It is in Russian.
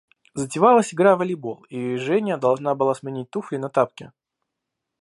Затевалась игра в волейбол, и Женя должна была сменить туфли на тапки.